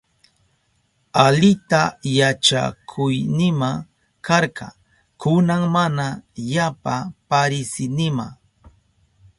Alita yachakuynima karka, kunan mana yapa parisinima.